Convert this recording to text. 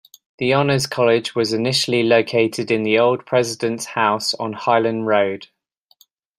The Honors College was initially located in the Old President's House on Highland Road.